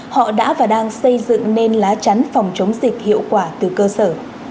họ đã và đang xây dựng nền lá tránh phòng chống dịch hiệu quả từ cơ sở